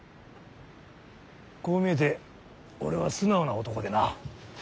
こう見えて俺は素直な男でな。